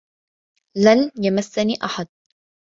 لن يمسّني أحد.